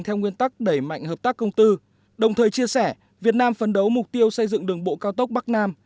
theo nguyên tắc đẩy mạnh hợp tác công tư đồng thời chia sẻ việt nam phấn đấu mục tiêu xây dựng đường bộ cao tốc bắc nam